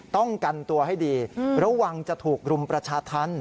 ต้องกันตัวให้ดีระวังจะถูกรุมประชาธรรม